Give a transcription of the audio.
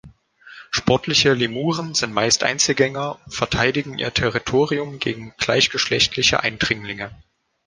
Sportliche Lemuren sind meist Einzelgänger und verteidigen ihr Territorium gegen gleichgeschlechtliche Eindringlinge.